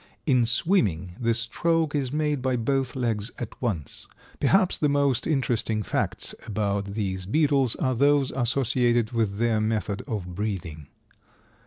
In swimming the stroke is made by both legs at once. Perhaps the most interesting facts about these beetles are those associated with their method of breathing.